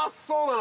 な